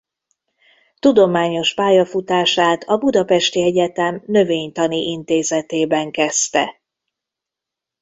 Tudományos pályafutását a budapesti egyetem Növénytani Intézetében kezdte.